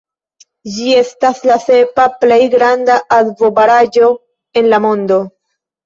Ĝi estas la sepa plej granda akvobaraĵo en la mondo.